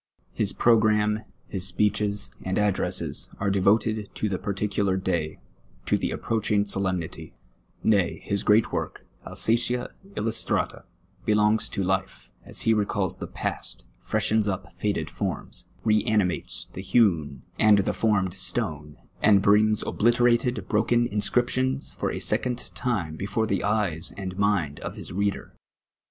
His 412 TRUTH AND POETRY; FROM MY OWN LIFE. prop amnic, his sj)ccclics, and addiTsscs arc devoted to the par ticular day — to the a])proacliing solemnity ; nay, his j^^rcat work, Alsatld lUustrata, belon^ s to life, as he recalls the past, freshens nj) faded forms, r(>auimates the hewn and the formed stone, and brings obliterated broken inscriptions for a second time before the eyes and mind of his reader.